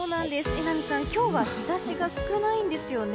榎並さん、今日は日差しが少ないんですよね。